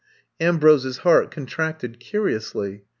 '* Ambrose's heart contracted curiously.